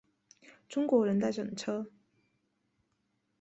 中国人在等车